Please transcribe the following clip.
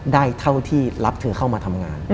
เท่าที่รับเธอเข้ามาทำงาน